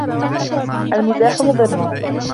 الْمَزَّاحُ مُضِرٌّ.